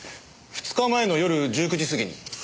２日前の夜１９時過ぎに。